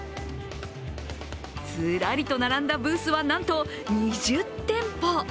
ずらりと並んだブースはなんと２０店舗。